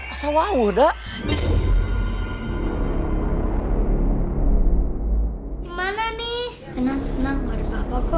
asal wawo dak